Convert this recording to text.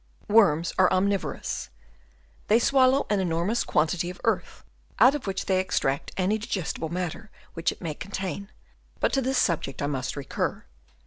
— Worms are omnivo rous. They swallow an enormous quantity of earth, out of which they extract any diges tible matter which it may contain ; but to this subject I must recur.